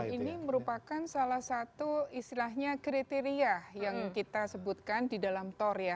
ini merupakan salah satu istilahnya kriteria yang kita sebutkan di dalam tor ya